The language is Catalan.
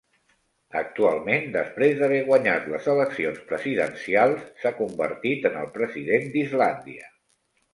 Actualment després d'haver guanyat les Eleccions Presidencials, s'ha convertit en el President d'Islàndia.